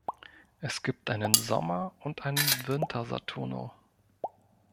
Es gibt einen Sommer- und einen Winter-Saturno.